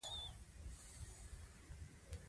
ملالۍ یاده کړه.